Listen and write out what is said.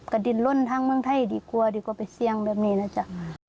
กระดิ่นล้นทางเมืองไทยดีกว่าดีกว่าไปเซียงเริ่มนี้นะจ๊ะ